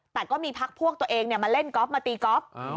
แต่ก็มีพักพวกตัวเองมาเล่นก๊อฟมาตีก๊อฟ